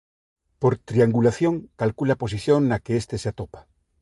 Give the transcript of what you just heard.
Por "triangulación" calcula a posición no que este se atopa.